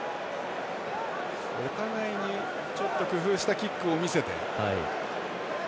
お互いにちょっと工夫したキックを見せて。